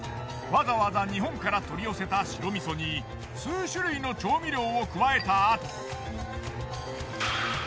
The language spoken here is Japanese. わざわざ日本から取り寄せた白味噌に数種類の調味料を加えたあと。